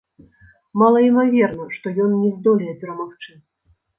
Малаімаверна, што ён не здолее перамагчы.